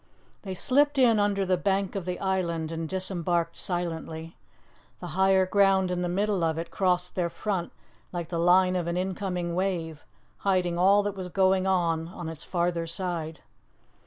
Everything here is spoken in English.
They slipped in under the bank of the island and disembarked silently. The higher ground in the middle of it crossed their front like the line of an incoming wave, hiding all that was going on on its farther side.